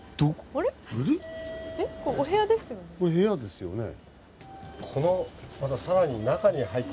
これお部屋ですよね。